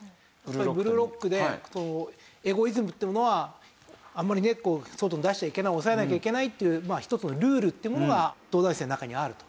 『ブルーロック』でエゴイズムってものはあんまり外に出しちゃいけない抑えなきゃいけないっていう一つのルールってものが東大生の中にあると。